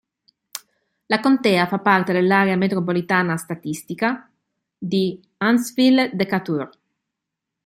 La contea fa parte dell'area metropolitana statistica di Huntsville-Decatur.